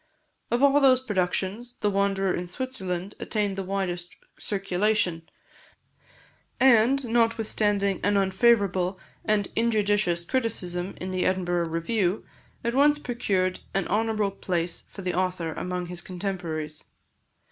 Of all those productions, "The Wanderer in Switzerland" attained the widest circulation; and, notwithstanding an unfavourable and injudicious criticism in the Edinburgh Review, at once procured an honourable place for the author among his contemporaries.